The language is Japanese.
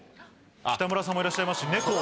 北村さんもいらっしゃいますし『猫』。